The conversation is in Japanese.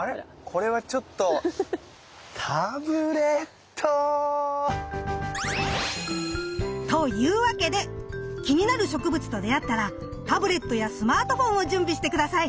これはちょっとタブレット！というわけで気になる植物と出会ったらタブレットやスマートフォンを準備して下さい！